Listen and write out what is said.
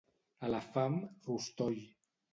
A la fam, rostoll.